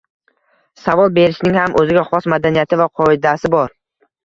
Savol berishning ham o’ziga xos madaniyati va qoidasi bor